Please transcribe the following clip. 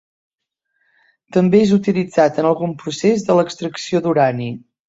També és utilitzat en algun procés de l'extracció d'Urani.